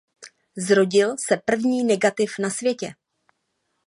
Zrodil se první negativ na světě.